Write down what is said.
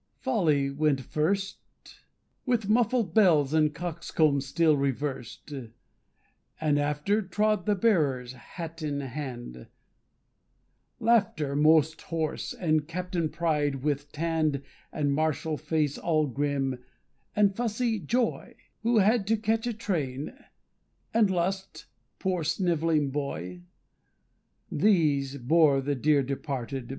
Folly went first, With muffled bells and coxcomb still revers'd; And after trod the bearers, hat in hand Laughter, most hoarse, and Captain Pride with tanned And martial face all grim, and fussy Joy, Who had to catch a train, and Lust, poor, snivelling boy; These bore the dear departed.